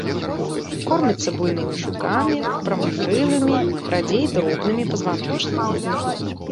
Корміцца буйнымі жукамі, прамакрылымі, радзей дробнымі пазваночнымі.